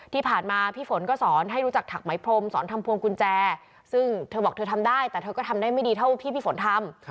ที่ผ่านมาพี่ฝนก็สอนให้รู้จักถักไหมพรมสอนทำพวงกุญแจซึ่งเธอบอกเธอทำได้แต่เธอก็ทำได้ไม่ดีเท่าที่พี่ฝนทำ